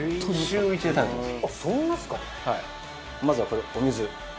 まずはこれお水。